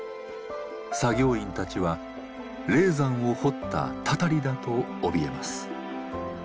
作業員たちは「霊山を掘ったたたりだ」とおびえます。